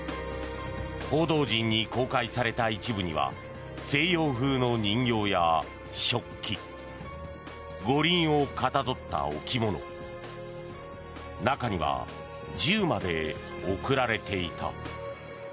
報道陣に公開された一部には西洋風の人形や食器五輪をかたどった置物中には銃まで贈られていた。